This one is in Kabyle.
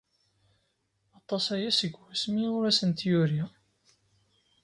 Aṭas aya seg wasmi ur asent-yuri.